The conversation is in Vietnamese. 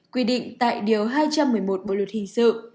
quy định tại điều hai trăm một mươi một bộ luật hình sự